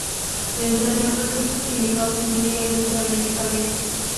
Dentro de los recursos químicos se incluye el uso de medicamentos.